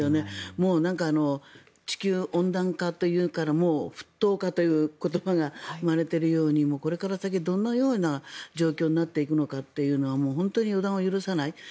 もう地球温暖化というか沸騰化という言葉が生まれているようにこれから先どのような状況になっていくのかというのはもう本当に予断を許さない。